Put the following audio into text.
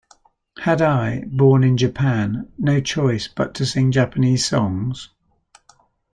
Had I, born in Japan, no choice but to sing Japanese songs?